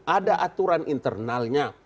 ada aturan internalnya